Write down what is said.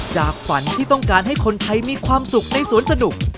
จากฝันที่ต้องการให้คนไทยมีความสุขในสวนสนุก